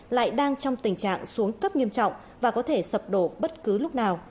lại đang trong tình trạng xuống cấp nghiêm trọng và có thể sập đổ bất cứ lúc nào